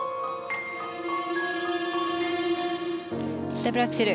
ダブルアクセル。